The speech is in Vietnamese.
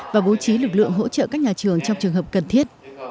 và bố trí lực lượng hỗ trợ các nhà trường trong trường hợp cần thiết